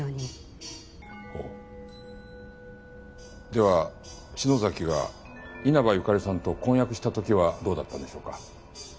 では篠崎が稲葉由香利さんと婚約した時はどうだったんでしょうか？